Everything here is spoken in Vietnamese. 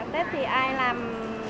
tết thì ai làm